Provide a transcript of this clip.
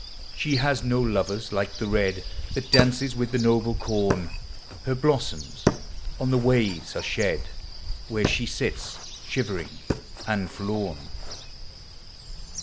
She has no lovers like the Red That dances with the noble Corn : Her blossoms on the waves are Bhed, Where she sits shivering and forlorn.